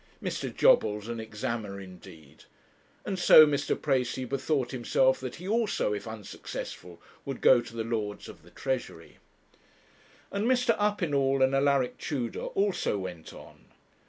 Mr. Jobbles an Examiner indeed! And so Mr. Precis bethought himself that he also, if unsuccessful, would go to the Lords of the Treasury. And Mr. Uppinall and Alaric Tudor also went on.